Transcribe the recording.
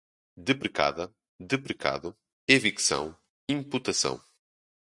deprecada, deprecado, evicção, imputação